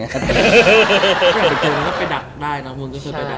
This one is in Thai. แต่คุณก็ไปดักได้นะคุณก็ช่วยไปดัก